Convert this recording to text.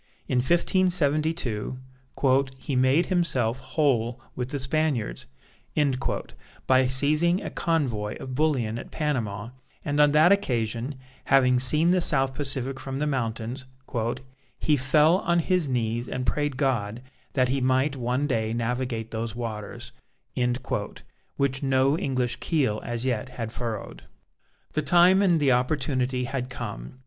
In 1572 "he made himself whole with the Spaniards" by seizing a convoy of bullion at Panama, and on that occasion, having seen the South Pacific from the mountains, "he fell on his knees and prayed God that he might one day navigate those waters," which no English keel as yet had furrowed. The time and the opportunity had come.